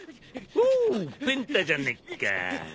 おおっペンタじゃねえか。